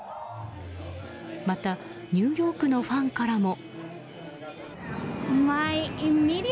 また、ニューヨークのファンからも。